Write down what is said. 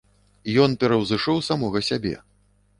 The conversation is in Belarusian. Ён пераўзышоў самога сябе.